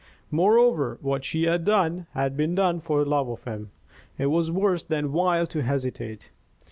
Moreover, what she had done had been done for love of him; it was worse than vile to hesitate.